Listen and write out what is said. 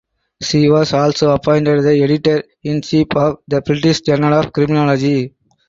She was also appointed the Editor in Chief of "The British Journal of Criminology".